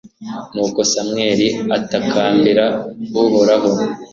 nuko samweli atakambira uhoraho